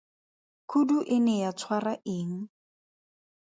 Khudu e ne ya tshwara eng?